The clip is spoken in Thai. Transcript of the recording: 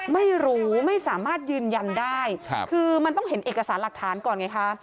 ไม่สามารถยืนยันได้คือมันต้องเห็นเอกสารหลักฐานก่อนไงคะ